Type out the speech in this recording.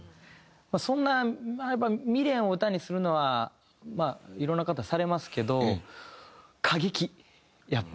そんな未練を歌にするのはいろんな方されますけど過激やっぱ。